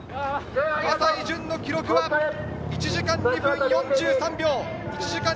葛西潤の記録は１時間２分４３秒。